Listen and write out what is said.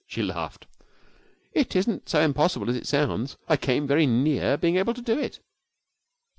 She laughed. 'It isn't so impossible as it sounds. I came very near being able to do it.'